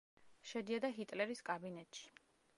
შედიოდა ჰიტლერის კაბინეტში.